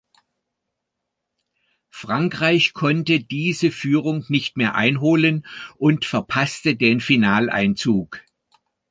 Frankreich konnte diese Führung nicht mehr einholen und verpasste den Finaleinzug.